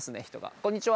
こんにちは！